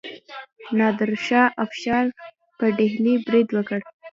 نادر شاه افشار په ډیلي برید وکړ.